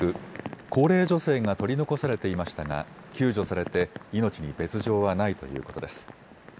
高齢女性が取り残されていましたが救助されて命に別状はないということです。